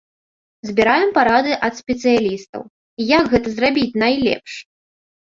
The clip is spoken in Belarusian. Збіраем парады ад спецыялістаў, як гэта зрабіць найлепш.